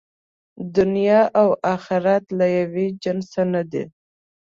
دنیا او آخرت له یوه جنسه نه دي.